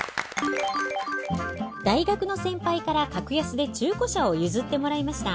大学の先輩から格安で中古車を譲ってもらいました。